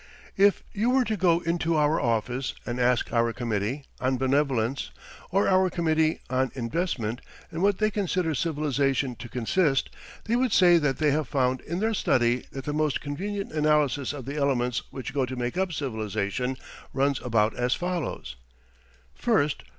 If you were to go into our office, and ask our committee on benevolence or our committee on investment in what they consider civilization to consist, they would say that they have found in their study that the most convenient analysis of the elements which go to make up civilization runs about as follows: 1st.